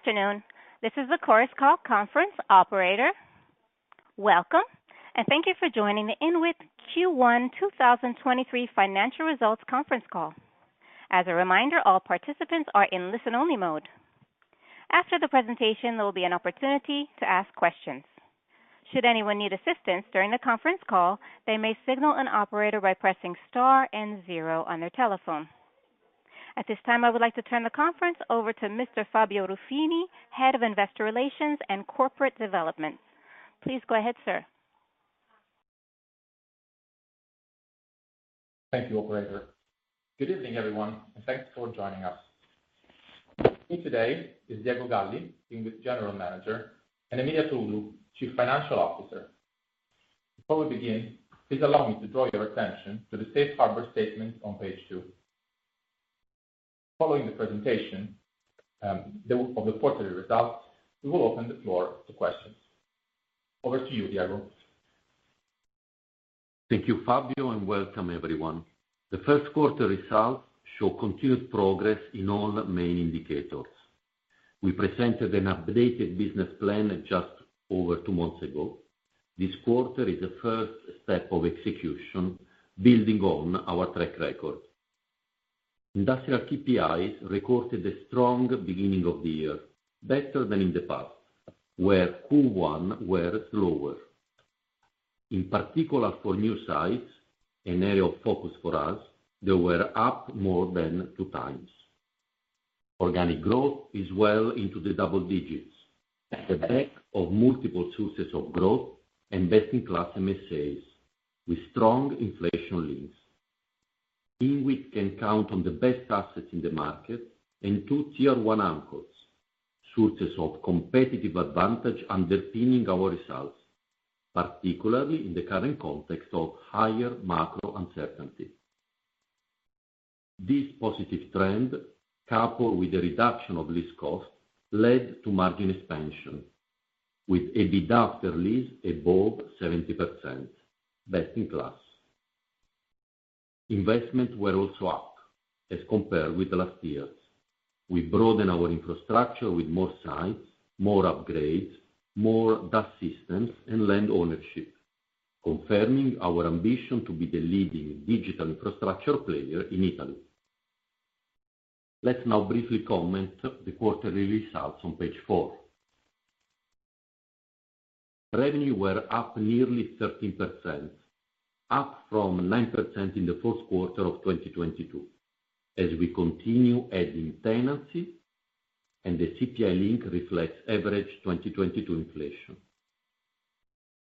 Afternoon. This is the Chorus Call conference operator. Welcome, and thank you for joining the INWIT Q1 2023 financial results conference call. As a reminder, all participants are in listen-only mode. After the presentation, there will be an opportunity to ask questions. Should anyone need assistance during the conference call, they may signal an operator by pressing star and zero on their telephone. At this time, I would like to turn the conference over to Mr. Fabio Ruffini, Head of Investor Relations and Corporate Development. Please go ahead, sir. Thank you, operator. Good evening, everyone, and thanks for joining us. With me today is Diego Galli, INWIT General Manager, and Emilia Trudu, Chief Financial Officer. Before we begin, please allow me to draw your attention to the safe harbor statement on page two. Following the presentation of the quarterly results, we will open the floor to questions. Over to you, Diego. Thank you, Fabio, welcome everyone. The first quarter results show continued progress in all the main indicators. We presented an updated business plan just over two months ago. This quarter is the first step of execution building on our track record. Industrial KPIs recorded a strong beginning of the year, better than in the past, where Q1 were lower. In particular, for new sites, an area of focus for us, they were up more than 2x. Organic growth is well into the double digits at the back of multiple sources of growth and best-in-class MSAs with strong inflation links. INWIT can count on the best assets in the market and two tier-one Anchors, sources of competitive advantage underpinning our results, particularly in the current context of higher macro uncertainty. This positive trend, coupled with the reduction of lease costs, led to margin expansion with EBITDA after Lease above 70%, best in class. Investments were also up as compared with the last years. We broaden our infrastructure with more sites, more upgrades, more DAS system and land ownership, confirming our ambition to be the leading digital infrastructure player in Italy. Let's now briefly comment the quarterly results on page four. Revenue were up nearly 13%, up from 9% in the first quarter of 2022, as we continue adding tenancy and the CPI link reflects average 2022 inflation.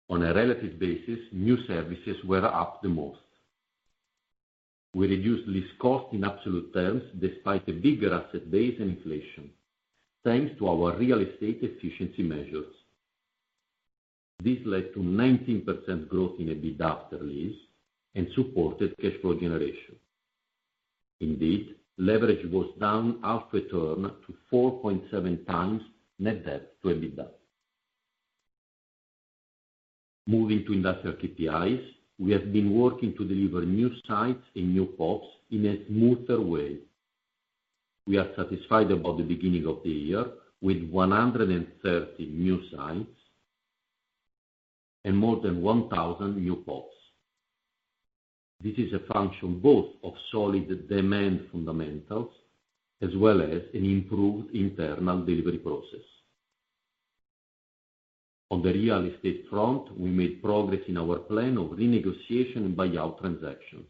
On a relative basis, new services were up the most. We reduced lease cost in absolute terms despite a bigger asset base and inflation, thanks to our real estate efficiency measures. This led to 19% growth in EBITDA after Lease and supported cash flow generation. Leverage was down half a turn to 4.7x net debt to EBITDA. Moving to industrial KPIs, we have been working to deliver new sites and new PoPs in a smoother way. We are satisfied about the beginning of the year with 130 new sites and more than 1,000 new PoPs. This is a function both of solid demand fundamentals as well as an improved internal delivery process. On the real estate front, we made progress in our plan of renegotiation and buyout transactions.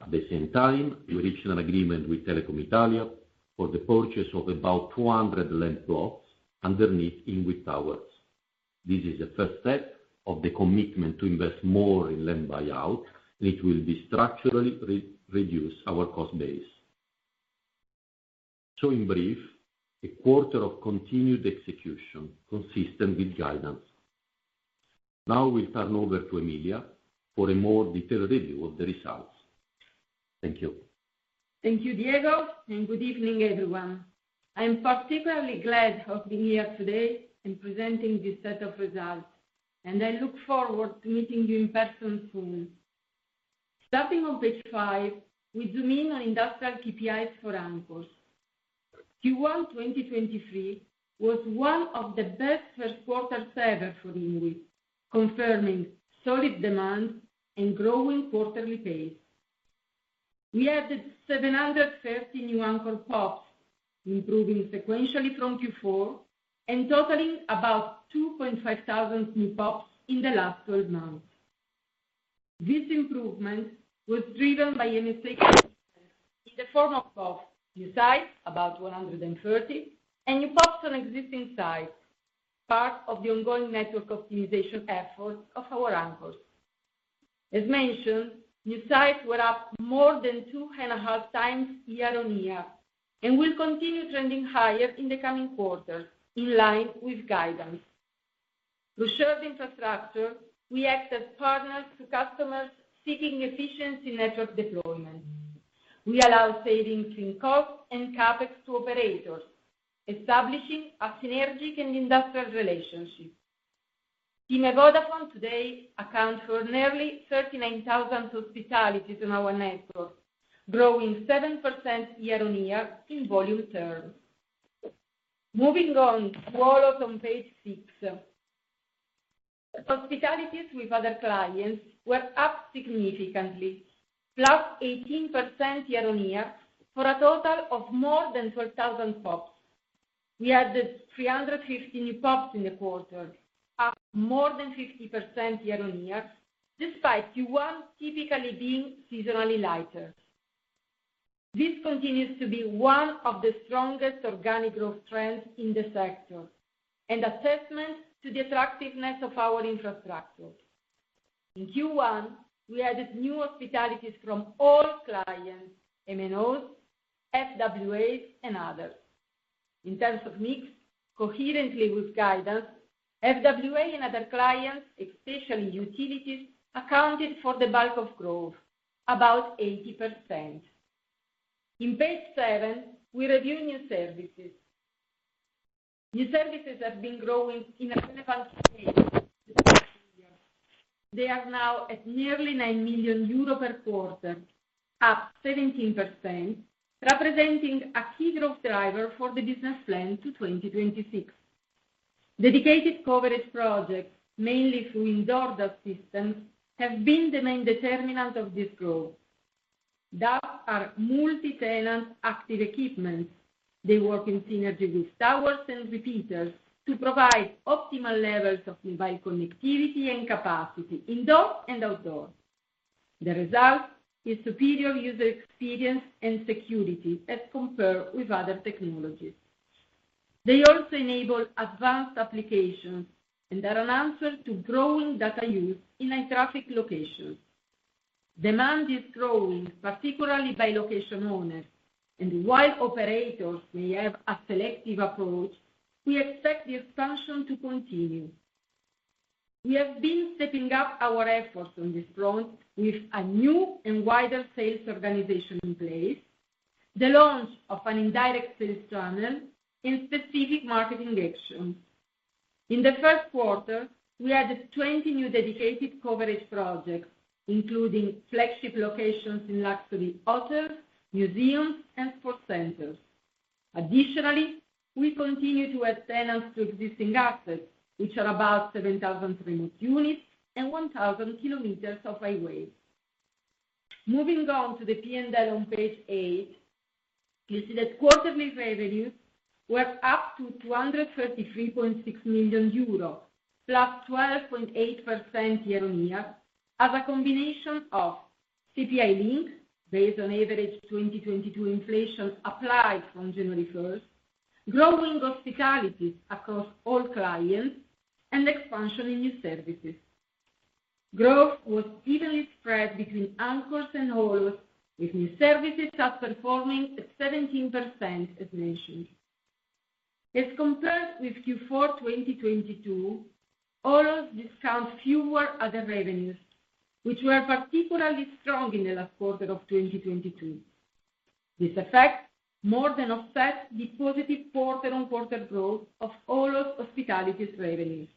At the same time, we reached an agreement with Telecom Italia for the purchase of about 200 land blocks underneath INWIT Towers. This is the first step of the commitment to invest more in land buyout, it will structurally re-reduce our cost base. In brief, a quarter of continued execution consistent with guidance. Now we turn over to Emilia for a more detailed review of the results. Thank you. Thank you, Diego, and good evening, everyone. I am particularly glad of being here today and presenting this set of results, and I look forward to meeting you in person soon. Starting on page five, we zoom in on industrial KPIs for Anchors. Q1 2023 was one of the best first quarters ever for INWIT, confirming solid demand and growing quarterly pace. We added 730 new Anchors PoPs, improving sequentially from Q4, and totaling about 2,500 new PoPs in the last 12 months. This improvement was driven by MSA in the form of both new sites, about 130, and new PoPs on existing sites, part of the ongoing network optimization efforts of our Anchors. As mentioned, new sites were up more than 2.5x year-on-year, and will continue trending higher in the coming quarters, in line with guidance. To share the infrastructure, we act as partners to customers seeking efficiency in network deployment. We allow savings in cost and CapEx to operators, establishing a synergic and industrial relationship. TIM Vodafone today account for nearly 39,000 hospitalities on our network, growing 7% year-on-year in volume terms. Moving on to wallets on page 6. Hospitalities with other clients were up significantly, plus 18% year-on-year for a total of more than 12,000 PoPs. We added 315 new PoPs in the quarter, up more than 50% year-on-year, despite Q1 typically being seasonally lighter. This continues to be one of the strongest organic growth trends in the sector and a testament to the attractiveness of our infrastructure. In Q1, we added new hospitalities from all clients, MNOs, FWAs, and others. In terms of mix, coherently with guidance, FWA and other clients, especially utilities, accounted for the bulk of growth, about 80%. In page seven, we review new services. New services have been growing. They are now at nearly 9 million euros per quarter, up 17%, representing a key growth driver for the business plan to 2026. Dedicated coverage projects, mainly through indoor DAS systems, have been the main determinant of this growth. DAS are multi-tenant active equipment. They work in synergy with Towers and repeaters to provide optimal levels of mobile connectivity and capacity indoors and outdoors. The result is superior user experience and security as compared with other technologies. They also enable advanced applications and are an answer to growing data use in high traffic locations. Demand is growing, particularly by location owners. While operators may have a selective approach, we expect the expansion to continue. We have been stepping up our efforts on this front with a new and wider sales organization in place, the launch of an indirect sales channel, and specific marketing actions. In the first quarter, we added 20 new dedicated coverage projects, including flagship locations in luxury hotels, museums, and sports centers. Additionally, we continue to add tenants to existing assets, which are about 7,000 remote units and 1,000 kilometers of highway. Moving on to the P&L on page eight, you see that quarterly revenues were up to 233.6 million euros, +12.8% year-on-year, as a combination of CPI links based on average 2022 inflation applied from January 1st, growing hospitalities across all clients, and expansion in new services. Growth was evenly spread between Anchors and all, with new services outperforming at 17% as mentioned. Compared with Q4 2022, all of this count fewer other revenues, which were particularly strong in the last quarter of 2022. This effect more than offset the positive quarter-on-quarter growth of all of hospitality's revenues.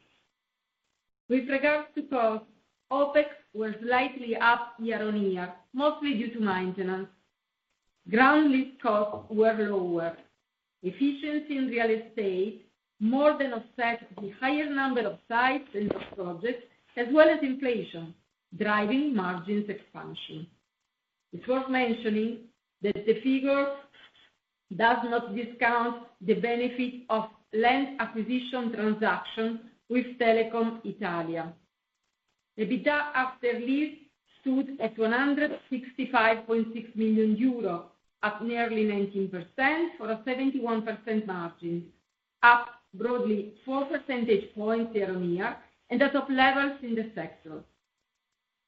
Regards to costs, OpEx was slightly up year-on-year, mostly due to maintenance. Ground lease costs were lower. Efficiency in real estate more than offset the higher number of sites and projects, as well as inflation, driving margins expansion. It's worth mentioning that the figure does not discount the benefit of land acquisition transaction with Telecom Italia. EBITDA after Lease stood at 165.6 million euro, up nearly 19% for a 71% margin, up broadly four percentage points year-on-year and at top levels in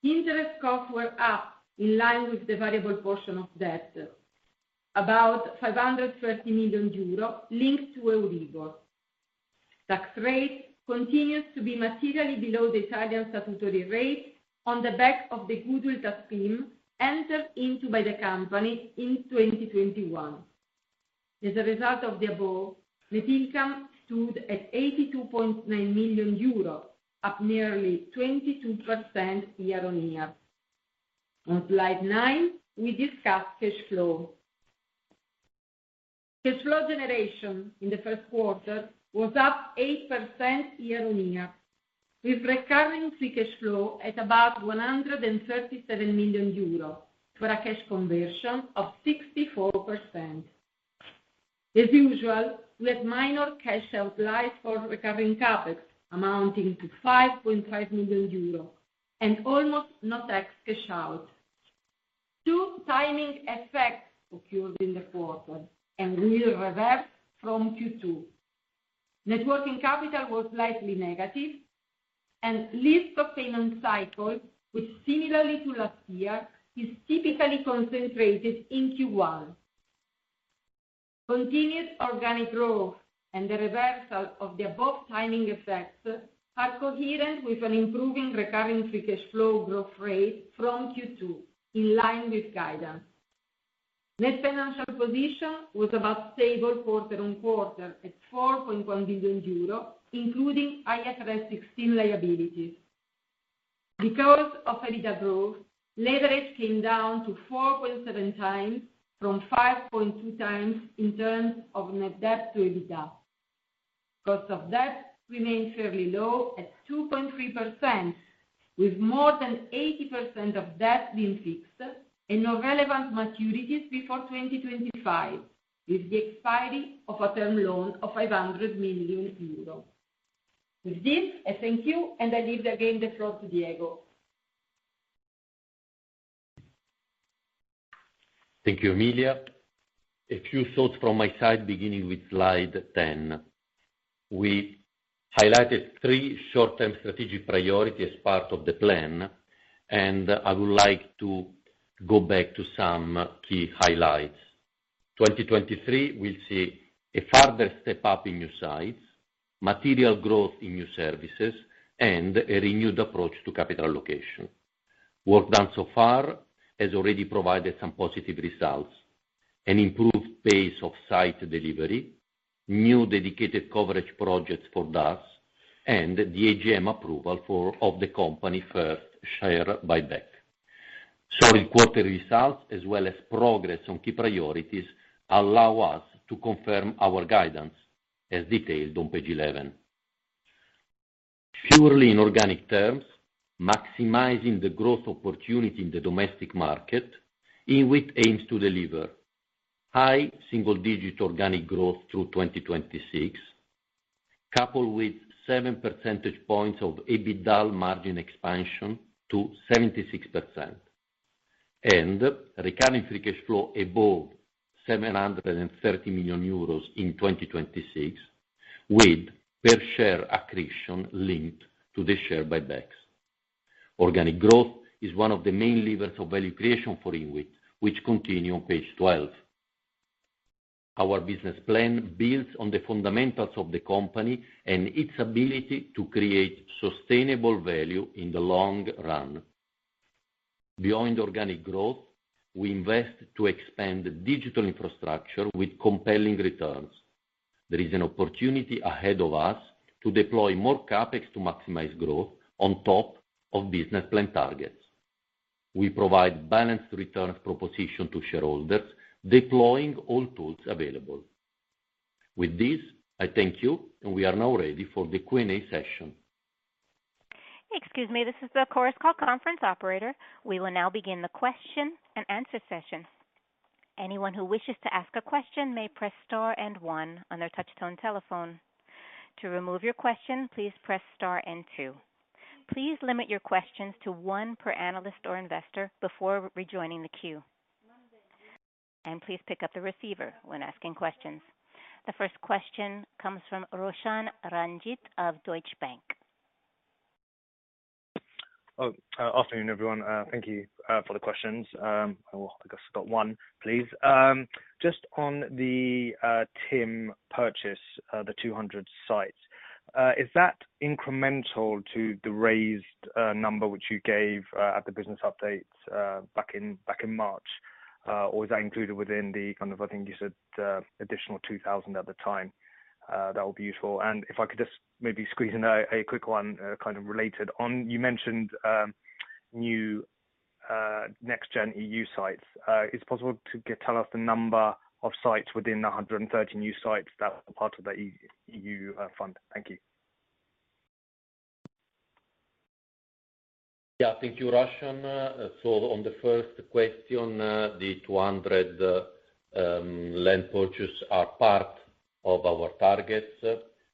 the sector. Interest costs were up in line with the variable portion of debt, about 530 million euro linked to Euribor. Tax rate continues to be materially below the Italian statutory rate on the back of the goodwill tax scheme entered into by the company in 2021. As a result of the above, net income stood at 82.9 million euro, up nearly 22% year-on-year. On slide nine, we discuss cash flow. Cash flow generation in the first quarter was up 8% year-on-year, with recurring free cash flow at about 137 million euros for a cash conversion of 64%. As usual, we had minor cash outlays for recovering CapEx, amounting to 5.5 million euros, and almost no tax cash out. Two timing effects occurred in the quarter and will reverse from Q2. Networking capital was slightly negative, and lease procurement cycle, which similarly to last year, is typically concentrated in Q1. Continuous organic growth and the reversal of the above timing effects are coherent with an improving recurring free cash flow growth rate from Q2 in line with guidance. Net financial position was about stable quarter-on-quarter at 4.1 billion euro, including IFRS 16 liabilities. Because of EBITDA growth, leverage came down to 4.7x from 5.2x in terms of net debt to EBITDA. Cost of debt remained fairly low at 2.3%, with more than 80% of debt being fixed and no relevant maturities before 2025, with the expiry of a term loan of 500 million euros. With this, I thank you, and I leave again the floor to Diego. Thank you, Emilia. A few thoughts from my side, beginning with slide 10. We highlighted three short-term strategic priorities as part of the plan, and I would like to go back to some key highlights. 2023 will see a further step up in new sites, material growth in new services, and a renewed approach to capital location. Work done so far has already provided some positive results, an improved pace of site delivery, new dedicated coverage projects for DAS, and the AGM approval of the company first share buyback. Solid quarter results as well as progress on key priorities allow us to confirm our guidance as detailed on page 11. Purely in organic terms, maximizing the growth opportunity in the domestic market, INWIT aims to deliver high single digit organic growth through 2026, coupled with 7 percentage points of EBITDA margin expansion to 76%, and recurring free cash flow above 730 million euros in 2026, with per share accretion linked to the share buybacks. Organic growth is one of the main levers of value creation for INWIT, which continue on page 12. Our business plan builds on the fundamentals of the company and its ability to create sustainable value in the long run. Beyond organic growth, we invest to expand digital infrastructure with compelling returns. There is an opportunity ahead of us to deploy more CapEx to maximize growth on top of business plan targets. We provide balanced return proposition to shareholders, deploying all tools available. With this, I thank you, and we are now ready for the Q&A session. Excuse me, this is the Chorus Call conference operator. We will now begin the question and answer session. Anyone who wishes to ask a question may press star one on their touchtone telephone. To remove your question, please press star two. Please limit your questions to one per analyst or investor before rejoining the queue. Please pick up the receiver when asking questions. The first question comes from Roshan Ranjit of Deutsche Bank. Afternoon, everyone. Thank you for the questions. Well, I guess just got one, please. Just on the TIM purchase, the 200 sites, is that incremental to the raised number which you gave at the business update back in March? Or is that included within the kind of, I think you said, additional 2,000 at the time? That would be useful. If I could just maybe squeeze in a quick one, kind of related. You mentioned new Next Gen E.U. sites. Is it possible to tell us the number of sites within the 130 new sites that were part of the E.U. fund? Thank you. Yeah. Thank you, Roshan. On the first question, the 200-land purchase are part of our targets.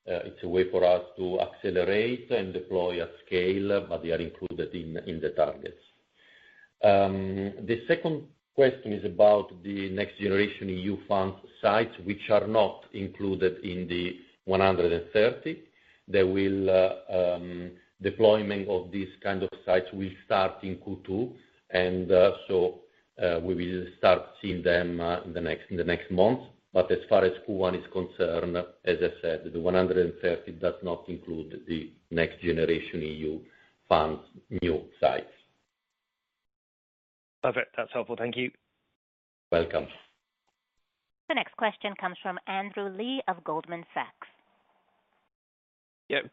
It's a way for us to accelerate and deploy at scale, but they are included in the targets. The second question is about the Next Gen E.U. sites, which are not included in the 130. Deployment of these kind of sites will start in Q2, and, so, we will start seeing them in the next months. As far as Q1 is concerned, as I said, the 130 does not include the Next Gen E.U. new sites. Perfect. That's helpful. Thank you. Welcome. The next question comes from Andrew Lee of Goldman Sachs.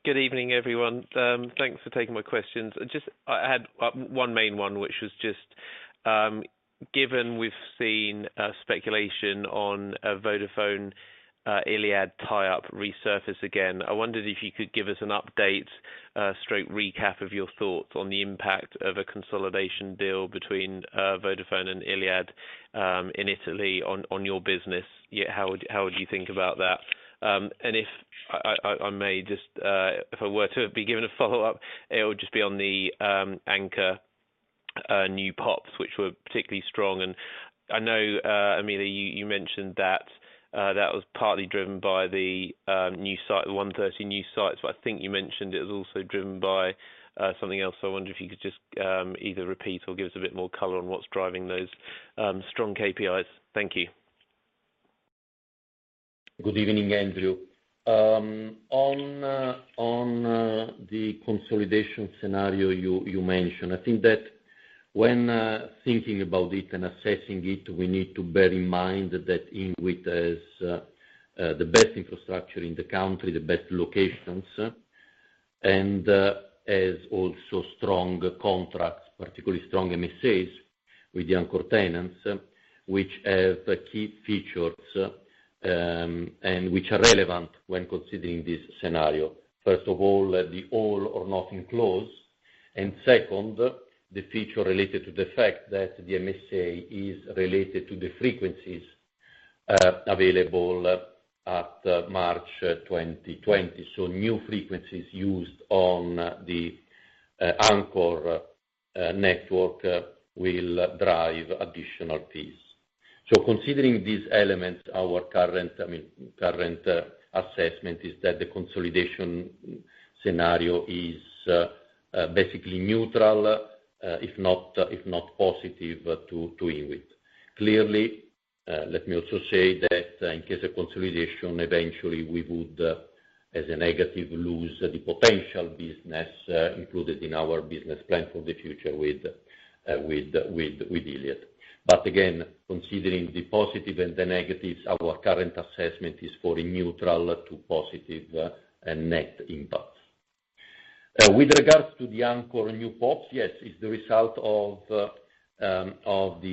Good evening, everyone. Thanks for taking my questions. I had one main one, which was given we've seen speculation on a Vodafone Iliad tie-up resurface again, I wondered if you could give us an update, straight recap of your thoughts on the impact of a consolidation deal between Vodafone and Iliad in Italy on your business. How would you think about that? If I may just, if I were to be given a follow-up, it would just be on the Anchors new PoPs, which were particularly strong. I know Emilia, you mentioned that that was partly driven by the new site, the 130 new sites. I think you mentioned it was also driven by something else. I wonder if you could just, either repeat or give us a bit more color on what's driving those, strong KPIs. Thank you. Good evening, Andrew. On the consolidation scenario you mentioned, I think that when thinking about it and assessing it, we need to bear in mind that INWIT this the best infrastructure in the country, the best locations, and also strong contracts, particularly strong MSAs with the Anchors tenants, which have key features, and which are relevant when considering this scenario. First of all, the all or nothing clause. Second, the feature related to the fact that the MSA is related to the frequencies available at March 2020. New frequencies used on the Anchors network will drive additional fees. Considering these elements, our current, I mean, current assessment is that the consolidation scenario is basically neutral, if not positive to INWIT. Clearly, let me also say that in case of consolidation, eventually we would, as a negative, lose the potential business included in our business plan for the future with Iliad. Again, considering the positive and the negatives, our current assessment is for a neutral to positive net impact. With regards to the Anchors and new PoPs, yes, it's the result of the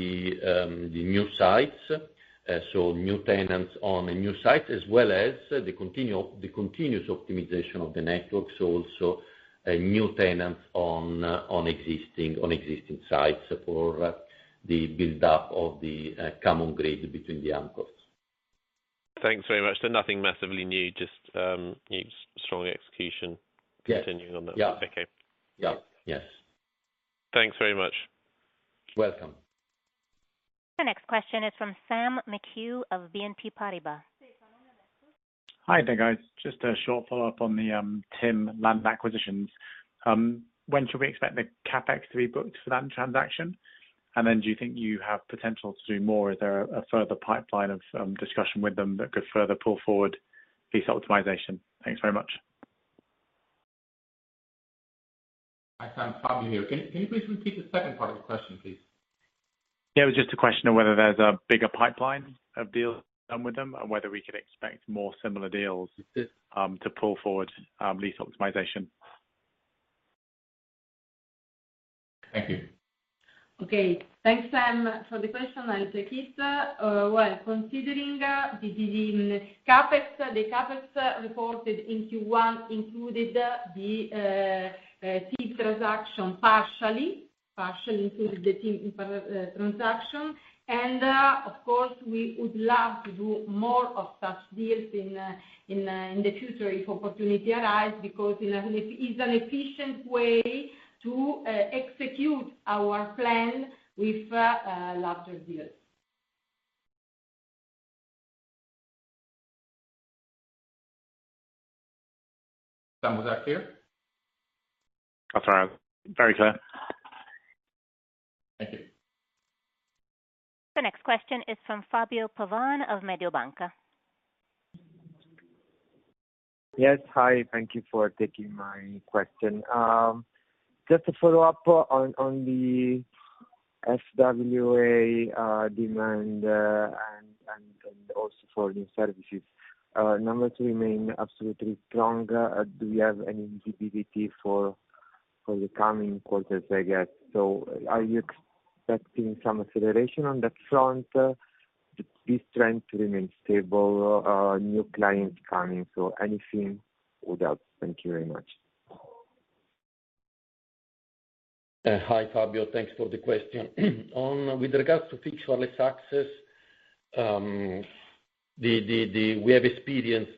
new sites. So new tenants on a new site as well as the continuous optimization of the networks, also a new tenant on existing sites for the build-up of the co-grade between the Anchors. Thanks very much. Nothing massively new, just, you know, strong execution continuing on that. Yeah. Okay. Yeah. Yes. Thanks very much. Welcome. The next question is from Sam McHugh of BNP Paribas. Hi there, guys. Just a short follow-up on the TIM land acquisitions. When should we expect the CapEx to be booked for that transaction? Do you think you have potential to do more? Is there a further pipeline of discussion with them that could further pull forward lease optimization? Thanks very much. Hi, Sam. Fabio here. Can you please repeat the second part of the question, please? Yeah, it was just a question of whether there's a bigger pipeline of deals done with them and whether we could expect more similar deals to pull forward lease optimization. Thank you. Okay. Thanks, Sam, for the question. I'll take it. Well, considering the CapEx reported in Q1 included the TIM transaction partially. Partially included the TIM transaction. Of course, we would love to do more of such deals in the future if opportunity arise, because it's an efficient way to execute our plan with larger deals. Sam, was that clear? That's all right. Very clear. Thank you. The next question is from Fabio Pavan of Mediobanca. Yes. Hi. Thank you for taking my question. Just to follow up on the FWA demand, and also for new services. Numbers remain absolutely strong. Do we have any visibility for the coming quarters, I guess? Are you expecting some acceleration on that front? This trend remain stable, new clients coming, anything or that? Thank you very much. Hi, Fabio. Thanks for the question. On with regards to fixed wireless access, we have experienced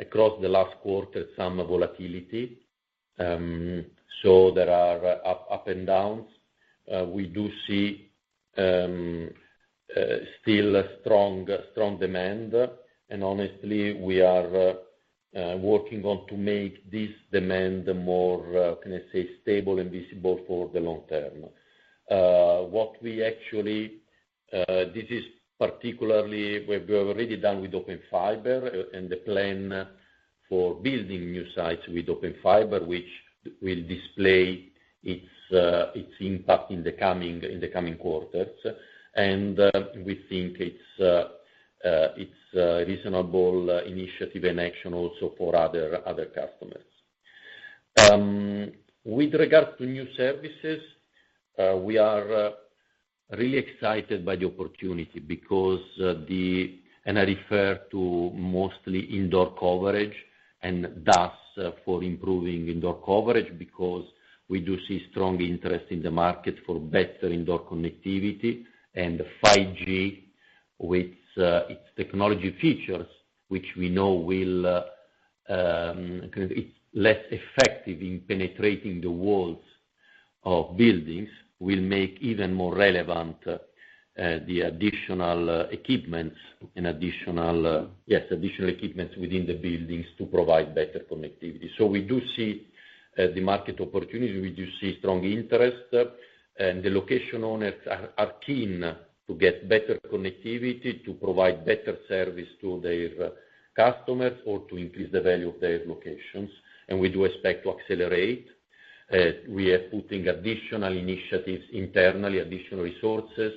across the last quarter some volatility, so there are up and downs. We do see still a strong demand. Honestly, we are working on to make this demand more, can I say, stable and visible for the long term. What we actually, this is particularly we have already done with Open Fiber and the plan for building new sites with Open Fiber, which will display its impact in the coming quarters. We think it's a reasonable initiative and action also for other customers. With regard to new services, we are really excited by the opportunity because the. I refer to mostly indoor coverage and thus for improving indoor coverage, because we do see strong interest in the market for better indoor connectivity. 5G with its technology features, which we know will kind of it's less effective in penetrating the walls of buildings, will make even more relevant the additional equipments and additional, yes, additional equipments within the buildings to provide better connectivity. We do see the market opportunity. We do see strong interest, and the location owners are keen to get better connectivity, to provide better service to their customers or to increase the value of their locations. We do expect to accelerate. We are putting additional initiatives internally, additional resources,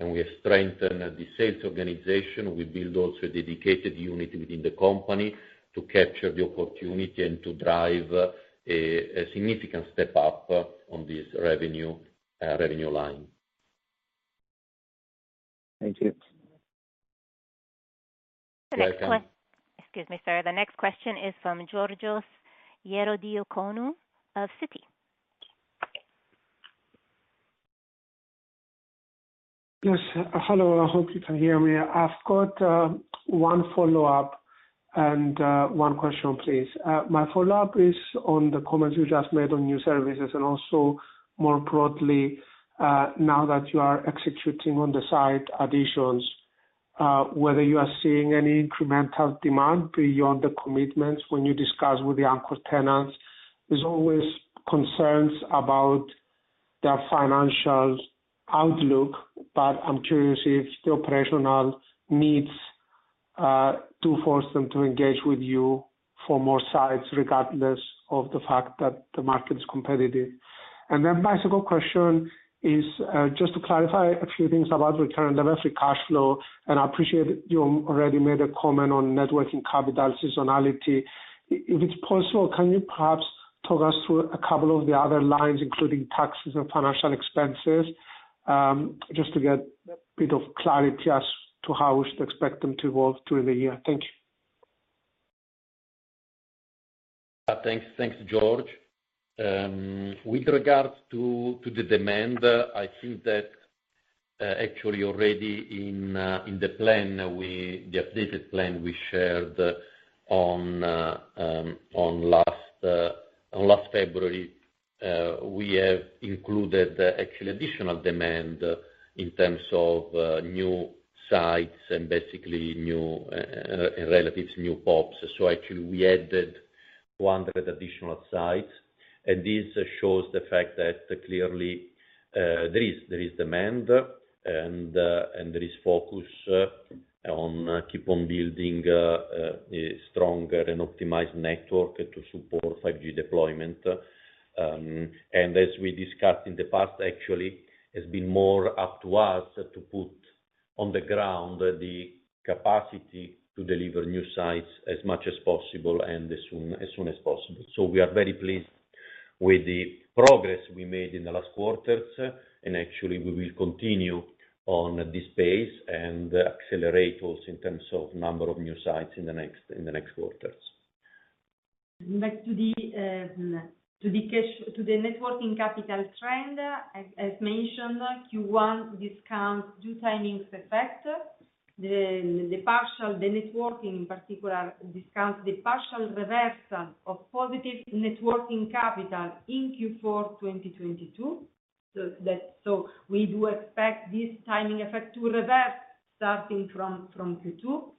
and we have strengthened the sales organization. We build also a dedicated unit within the company to capture the opportunity and to drive a significant step up on this revenue revenue line. Thank you. You're welcome. Excuse me, sir. The next question is from Georgios Ierodiaconou of Citi. Yes. Hello, I hope you can hear me. I've got one follow-up and one question, please. My follow-up is on the comments you just made on new services and also more broadly, now that you are executing on the site additions, whether you are seeing any incremental demand beyond the commitments when you discuss with the Anchors tenants. There's always concerns about their financial outlook, I'm curious if the operational needs do force them to engage with you for more sites, regardless of the fact that the market is competitive. My second question is just to clarify a few things about recurring domestic cash flow, and I appreciate you already made a comment on networking capital seasonality. If it's possible, can you perhaps talk us through a couple of the other lines, including taxes and financial expenses, just to get a bit of clarity as to how we should expect them to evolve through the year? Thank you. Thanks. Thanks, George. With regards to the demand, I think that actually already in the plan the updated plan we shared on last February, we have included actually additional demand in terms of new sites and basically new relatives, new PoPs. Actually we added 100 additional sites, and this shows the fact that clearly there is demand and there is focus on keep on building a stronger and optimized network to support 5G deployment. As we discussed in the past, actually has been more up to us to put on the ground the capacity to deliver new sites as much as possible and as soon as possible. We are very pleased with the progress we made in the last quarters, and actually we will continue on this pace and accelerate also in terms of number of new sites in the next quarters. Back to the, to the cash, to the networking capital trend. As, as mentioned, Q1 discount due timing effect. The, the partial, the networking in particular discounts the partial reversal of positive networking capital in Q4 2022. We do expect this timing effect to reverse starting from Q2.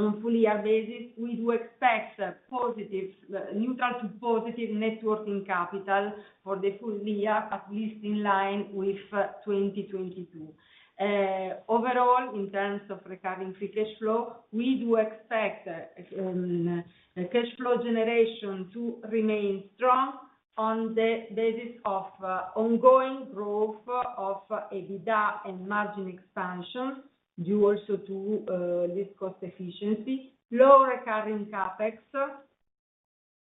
On full-year basis, we do expect positive, neutral to positive networking capital for the full year, at least in line with 2022. Overall, in terms of recurring free cash flow, we do expect cash flow generation to remain strong on the basis of ongoing growth of EBITDA and margin expansion, due also to this cost efficiency, lower recurring CapEx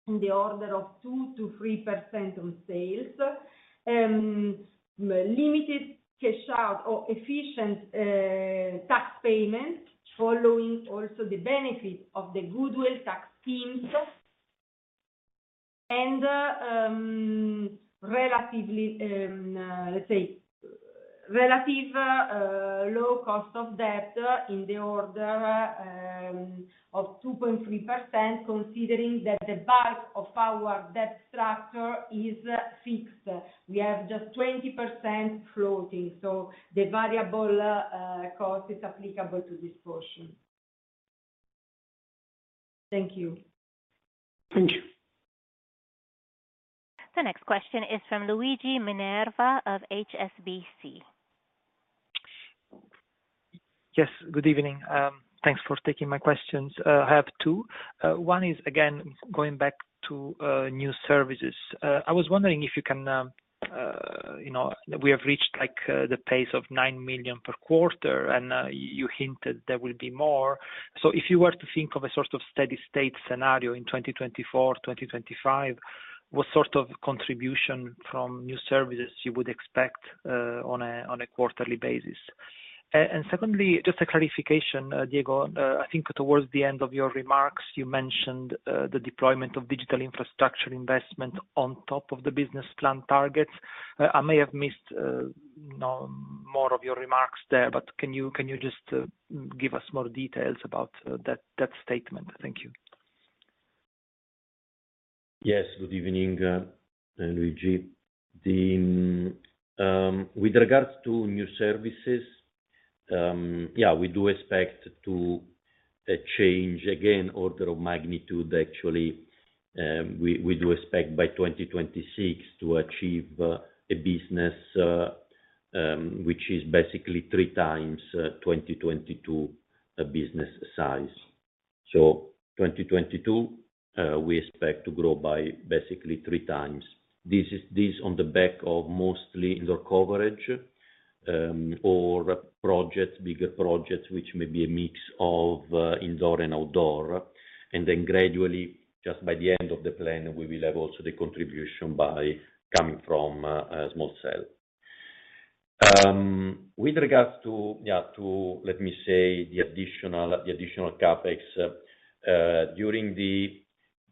in the order of 2%-3% on sales, limited cash out or efficient tax payments, following also the benefit of the goodwill tax scheme and relatively low cost of debt in the order of 2.3%, considering that the bulk of our debt structure is fixed. We have just 20% floating, the variable cost is applicable to this portion. Thank you. Thank you. The next question is from Luigi Minerva of HSBC. Yes, good evening. Thanks for taking my questions. I have two. One is, again, going back to new services. I was wondering if you can, you know, we have reached, like, the pace of 9 million per quarter, and you hinted there will be more. If you were to think of a sort of steady state scenario in 2024, 2025, what sort of contribution from new services you would expect, on a quarterly basis? Secondly, just a clarification, Diego. I think towards the end of your remarks, you mentioned the deployment of digital infrastructure investment on top of the business plan targets. I may have missed, you know, more of your remarks there, but can you just give us more details about that statement? Thank you. Yes, good evening, Luigi. With regards to new services. We do expect to change again order of magnitude. Actually, we do expect by 2026 to achieve a business which is basically 3x 2022 business size. 2022, we expect to grow by basically 3x. This on the back of mostly indoor coverage or projects, bigger projects, which may be a mix of indoor and outdoor. Gradually, just by the end of the plan, we will have also the contribution by coming from small cell. With regards to let me say, the additional CapEx during the...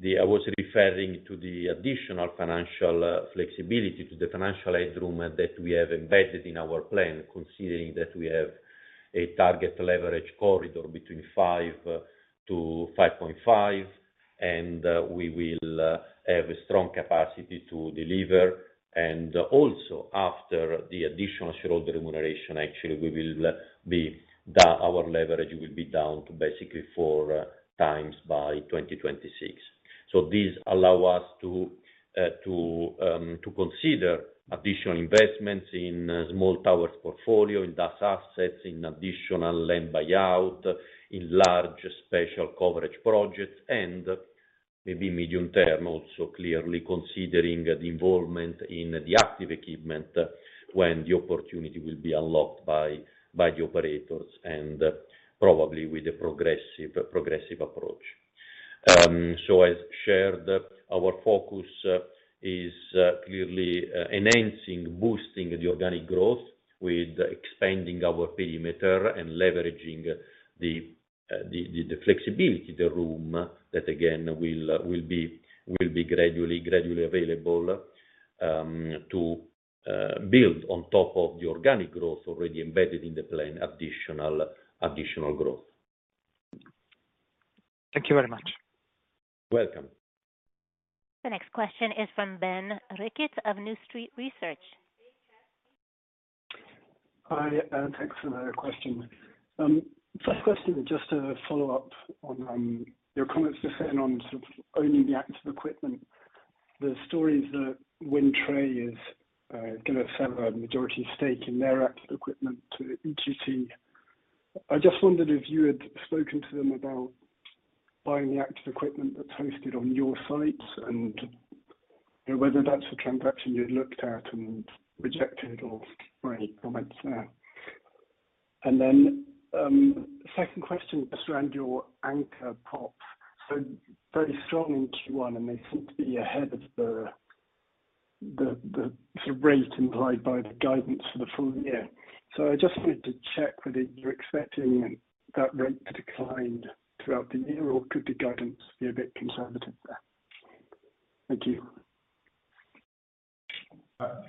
I was referring to the additional financial flexibility to the financial headroom that we have embedded in our plan, considering that we have a target leverage corridor between 5x-5.5x, and we will have a strong capacity to deliver. And also, after the additional shareholder remuneration, actually our leverage will be down to basically 4x by 2026. So, this allow us to consider additional investments in small Towers portfolio, in DAS assets, in additional land buyout, in large special coverage projects, and maybe medium term also clearly considering the involvement in the active equipment when the opportunity will be unlocked by the operators and probably with a progressive approach. As shared, our focus is clearly enhancing, boosting the organic growth with expanding our perimeter and leveraging the flexibility, the room that again will be gradually available, to build on top of the organic growth already embedded in the plan, additional growth. Thank you very much. Welcome. The next question is from Ben Rickett of New Street Research. Hi, thanks for the question. First question, just to follow up on your comments just then on sort of owning the active equipment. The story is that Wind Tre is gonna sell a majority stake in their active equipment to EQT. I just wondered if you had spoken to them about buying the active equipment that's hosted on your site, and whether that's a transaction you looked at and rejected or any comments there. Second question is around your Anchors PoPs. Very strong in Q1, and they seem to be ahead of the sort of rate implied by the guidance for the full year. I just wanted to check whether you're expecting that rate to decline throughout the year, or could the guidance be a bit conservative there? Thank you.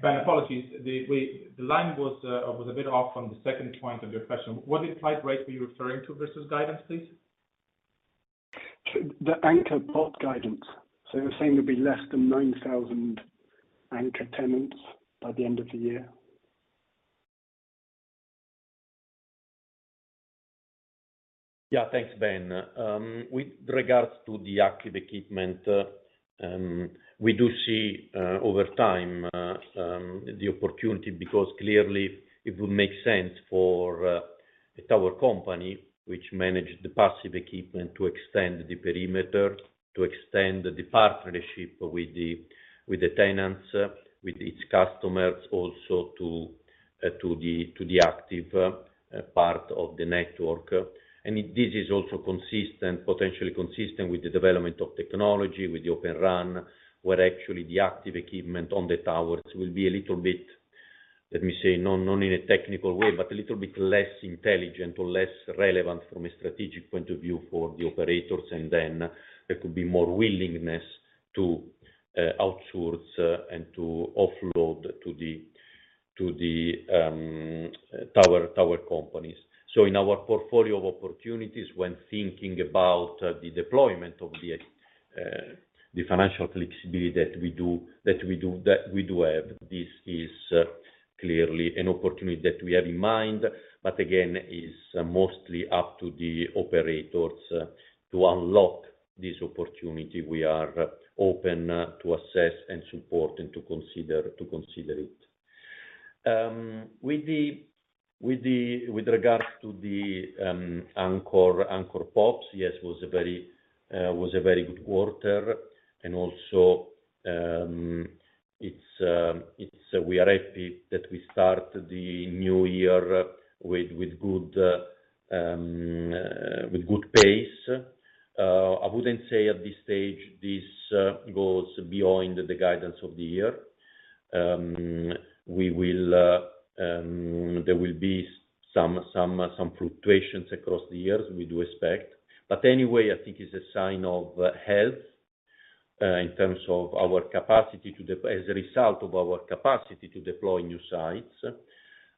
Ben, apologies. The line was a bit off on the second point of your question. What implied rate were you referring to versus guidance, please? The Anchors PoP guidance. You're saying there'll be less than 9,000 Anchors tenants by the end of the year? Yeah. Thanks, Ben. With regards to the active equipment, we do see over time the opportunity, because clearly it would make sense for a tower company which manages the passive equipment to extend the perimeter, to extend the partnership with the tenants, with its customers also to the active part of the network. This is also consistent, potentially consistent with the development of technology with the Open RAN, where actually the active equipment on the Towers will be a little bit, let me say, not in a technical way, but a little bit less intelligent or less relevant from a strategic point of view for the operators. There could be more willingness to outsource and to offload to the tower companies. In our portfolio of opportunities, when thinking about the deployment of the financial flexibility that we do have, this is clearly an opportunity that we have in mind. Again, it's mostly up to the operators to unlock this opportunity. We are open to assess and support and to consider it. With regards to the Anchors PoPs, yes, it was a very good quarter. Also, we are happy that we start the new year with good pace. I wouldn't say at this stage this goes beyond the guidance of the year. We will, there will be some fluctuations across the years, we do expect. Anyway, I think it's a sign of health as a result of our capacity to deploy new sites.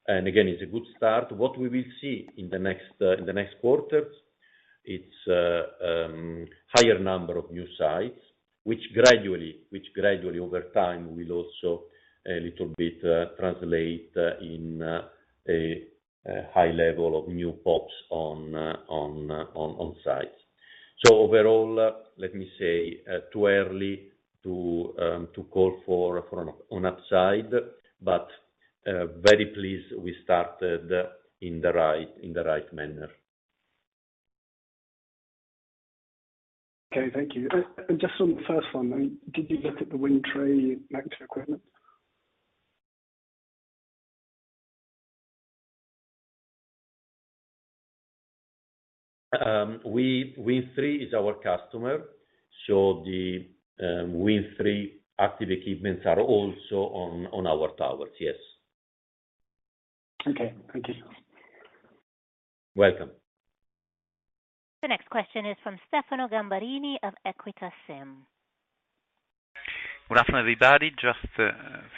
Again, it's a good start. What we will see in the next quarters. It's higher number of new sites which gradually over time will also a little bit translate in a high level of new PoPs on sites. Overall, let me say, too early to call for an upside, very pleased we started in the right manner. Okay, thank you. Just on the first one, did you look at the Wind Tre macro equipment? Wind Tre is our customer, so the Wind Tre active equipments are also on our Towers. Yes. Okay. Thank you. Welcome. The next question is from Stefano Gamberini of EQUITA SIM. Good afternoon, everybody. Just a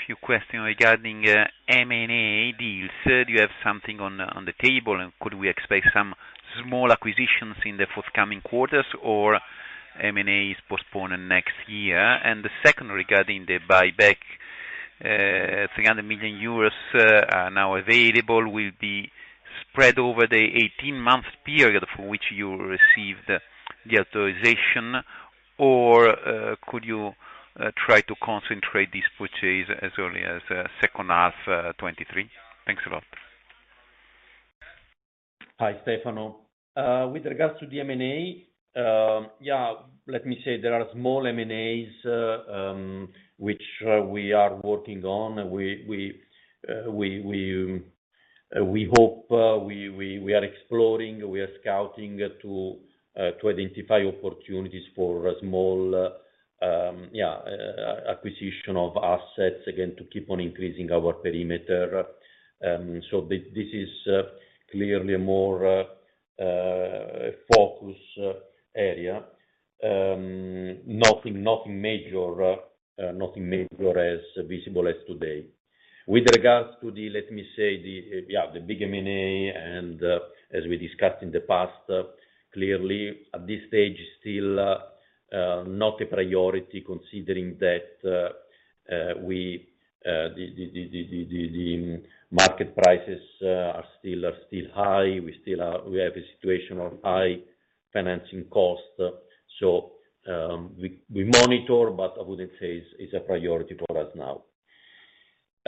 few questions regarding M&A deals. You said you have something on the table, could we expect some small acquisitions in the forthcoming quarters or M&A is postponed next year? The second, regarding the buyback, 300 million euros are now available, will be spread over the 18-month period for which you received the authorization. Could you try to concentrate this purchase as early as second half 2023? Thanks a lot. Hi, Stefano. With regards to the M&A, yeah, let me say there are small M&As which we are working on. We hope, we are exploring, we are scouting to identify opportunities for small, yeah, acquisition of assets, again, to keep on increasing our perimeter. This is clearly a more focused area. Nothing, nothing major, nothing major as visible as today. With regards to the, let me say the, yeah, the big M&A and as we discussed in the past, clearly at this stage, still not a priority, considering that we the market prices are still high. We have a situation of high financing costs. We monitor, but I wouldn't say it's a priority for us now.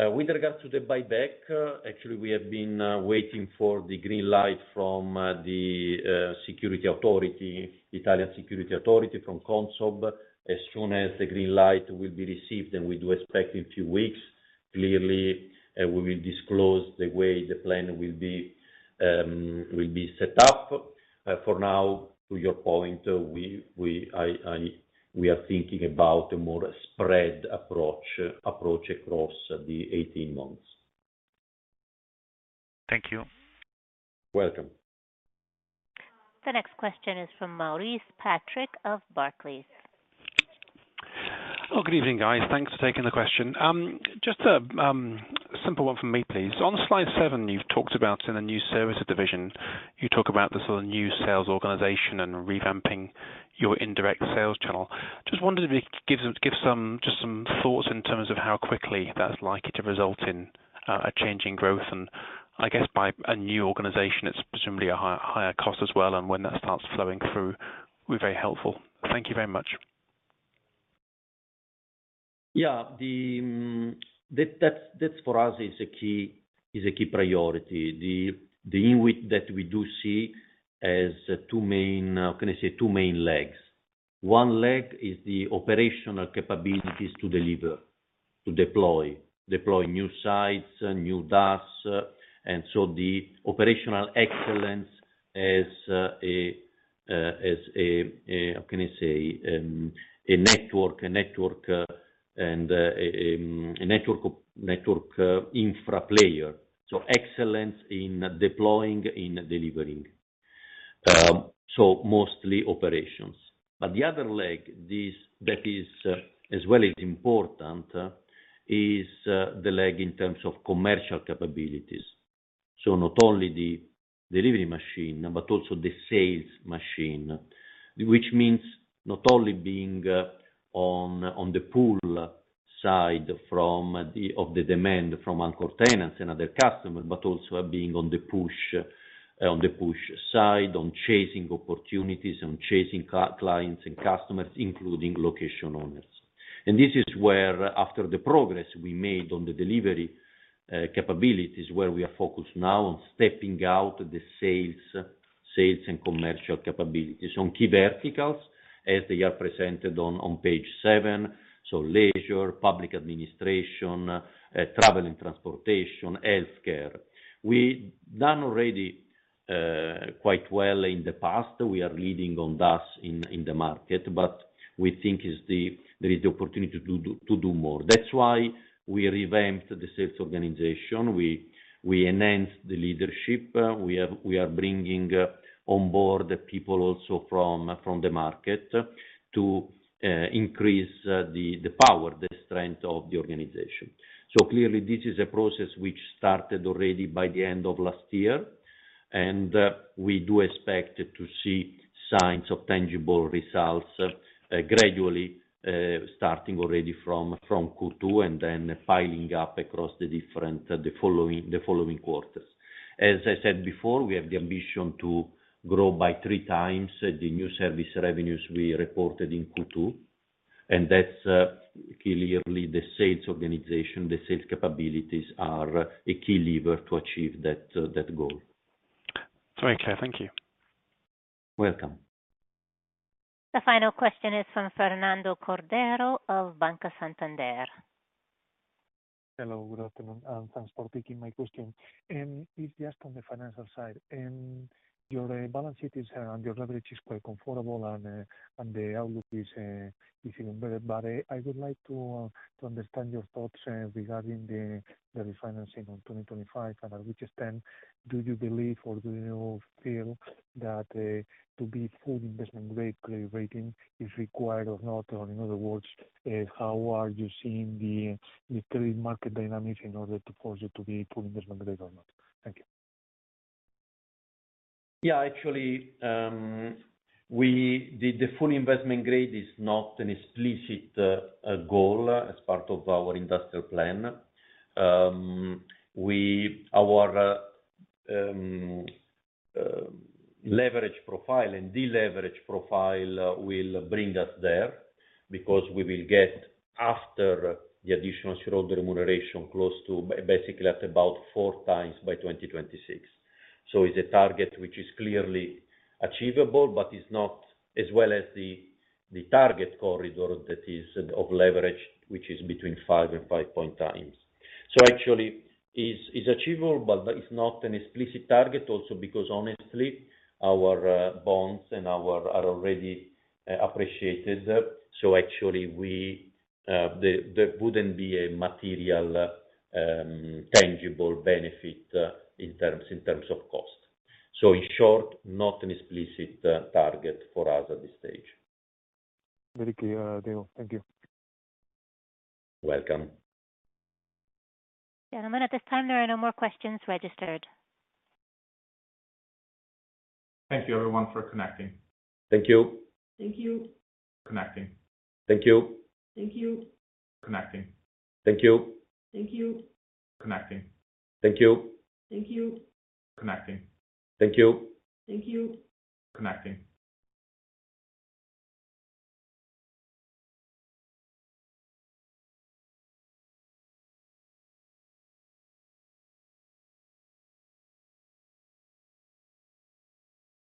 With regards to the buyback, actually, we have been waiting for the green light from the security authority, Italian Security Authority, from CONSOB. As soon as the green light will be received, and we do expect in few weeks, clearly, we will disclose the way the plan will be set up. For now, to your point, we are thinking about a more spread approach across the 18 months. Thank you. Welcome. The next question is from Maurice Patrick of Barclays. Good evening, guys. Thanks for taking the question. Just a simple one from me, please. On slide seven, you've talked about in the new services division, you talk about the sort of new sales organization and revamping your indirect sales channel. Just wondered if you could give some thoughts in terms of how quickly that's likely to result in a change in growth. I guess by a new organization, it's presumably a higher cost as well, and when that starts flowing through, will be very helpful. Thank you very much. Yeah. That's that for us is a key priority. The INWIT that we do see as two main, can I say two main legs. One leg is the operational capabilities to deliver, to deploy new sites, new DAS. The operational excellence as a, how can I say, a network, and a network infra player. Excellence in deploying, in delivering. Mostly operations. The other leg, this, that is as well is important, is the leg in terms of commercial capabilities. Not only the delivery machine, but also the sales machine. Which means not only being on the pull side of the demand from Anchors tenants and other customers, but also being on the push side, on chasing opportunities, on chasing clients and customers, including location owners. This is where after the progress we made on the delivery capabilities, where we are focused now on stepping out the sales and commercial capabilities on key verticals as they are presented on page seven. Leisure, public administration, travel and transportation, healthcare. We, done already quite well in the past. We are leading on DAS in the market, but we think there is the opportunity to do more. That's why we revamped the sales organization. We enhanced the leadership. We are bringing on board people also from the market to increase the power, the strength of the organization. Clearly this is a process which started already by the end of last year, and we do expect to see signs of tangible results gradually starting already from Q2, and then piling up across the different, the following quarters. As I said before, we have the ambition to grow by 3x the new service revenues we reported in Q2. That's clearly the sales organization. The sales capabilities are a key lever to achieve that goal. It's very clear. Thank you. Welcome. The final question is from Fernando Cordero of Banco Santander. Hello, good afternoon. Thanks for taking my question. It's just on the financial side. Your balance sheet is, and your leverage is quite comfortable, and the outlook is even better. I would like to understand your thoughts regarding the refinancing on 2025 and at which extent do you believe or do you feel that to be full investment grade credit rating is required or not? In other words, how are you seeing the current market dynamics in order to force it to be full investment grade or not? Thank you. Actually, the full investment grade is not an explicit goal as part of our industrial plan. Our leverage profile and deleverage profile will bring us there because we will get after the additional shareholder remuneration close to basically at about 4x by 2026. It's a target which is clearly achievable but is not as well as the target corridor that is of leverage, which is between 5x and 5.5x. Actually, is achievable, but that is not an explicit target also because honestly our bonds and our are already appreciated. Actually, we there wouldn't be a material tangible benefit in terms of cost. In short, not an explicit target for us at this stage. Very clear, Diego. Thank you. Welcome. Gentlemen, at this time there are no more questions registered. Thank you everyone for connecting. Thank you. Thank you.